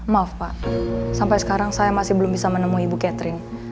maaf pak sampai sekarang saya masih belum bisa menemui ibu catering